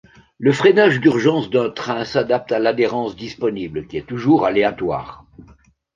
Le freinage d'urgence d'un train s'adapte à l'adhérence disponible qui est toujours aléatoire.